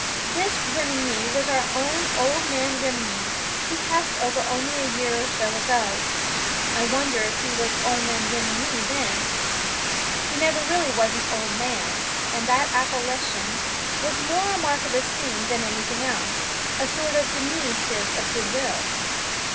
This Remenyi was our own "Ol' Man Remenyi," who passed over only a year or so ago. I wonder if he was Ol' Man Remenyi then! He never really was an old man, and that appellation was more a mark of esteem than anything else a sort of diminutive of good will.